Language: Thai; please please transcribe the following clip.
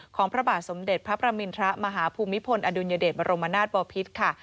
ของพระบาทสมเด็จพระปรมินทะมหาภูมิพลอดุญเดชรมรมนาศบอพิศค่ะ